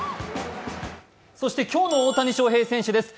そして今日の大谷翔平選手です。